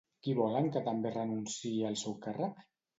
Qui volen també que renunciï al seu càrrec?